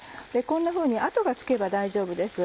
こんなふうに痕がつけば大丈夫です。